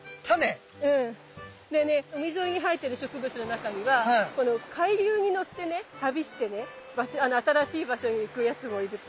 でね海沿いに生えてる植物の中にはこの海流にのってね旅してね新しい場所に行くやつもいて。